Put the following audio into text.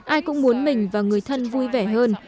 ai cũng muốn mình và người thân vui vẻ hơn